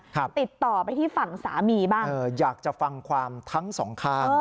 ติดต่อไปที่ฝั่งสามีบ้างเอออยากจะฟังความทั้งสองข้าง